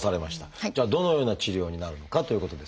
じゃあどのような治療になるのかということですが。